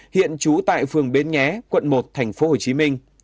hiện trú tại phường bến nhé quận một tp hcm